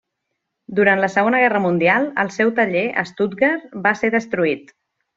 Durant la segona guerra mundial el seu taller a Stuttgart va ser destruït.